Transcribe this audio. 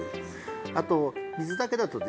あと水だけだとですね